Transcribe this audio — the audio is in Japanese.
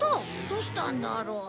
どうしたんだろう？